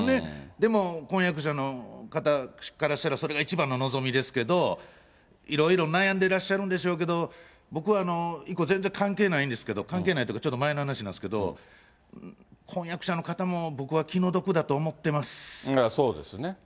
でも、婚約者の方からしたら、それが一番の望みですけど、いろいろ悩んでらっしゃるんでしょうけど、僕は、全然関係ないんですけど、関係ないっていうか、ちょっと前の話なんですけど、婚約者の方も僕は気の毒だと思ってそうですね。